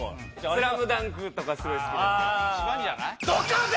「ＳＬＡＭＤＵＮＫ」とかすごい好きですああ